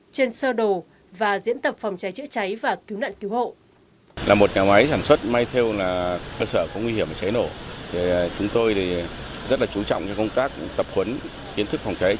trên sơ đồ và diễn tập phòng cháy chữa cháy và cứu nạn cứu hộ